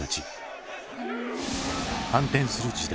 反転する時代。